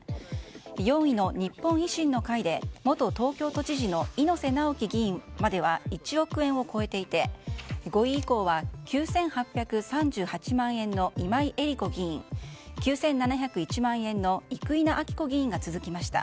４位の日本維新の会で元東京都知事の猪瀬直樹議員までは１億円を超えていて５位以降は９８３８万円の今井絵理子議員９７０１万円の生稲晃子議員が続きました。